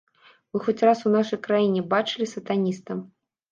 Вы хоць раз у нашай краіне бачылі сатаніста?